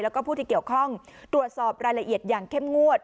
แล้วก็ผู้ที่เกี่ยวข้องตรวจสอบรายละเอียดอย่างเข้มงวด